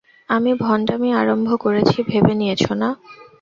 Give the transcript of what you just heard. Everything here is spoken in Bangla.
আমি ভণ্ডামি আরম্ভ করেছি ভেবে নিয়েছ, না?